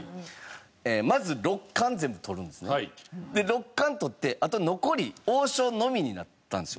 六冠とってあと残り王将のみになったんですよ。